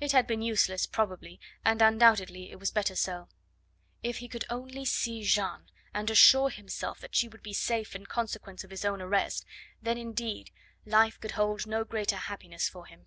It had been useless probably, and undoubtedly it was better so. If he only could see Jeanne, and assure himself that she would be safe in consequence of his own arrest, then, indeed, life could hold no greater happiness for him.